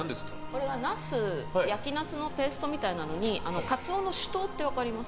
これは焼きナスのペーストみたいなのにカツオの酒盗って分かります？